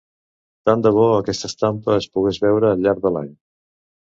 Tant de bo aquesta estampa es pogués veure al llarg de l'any.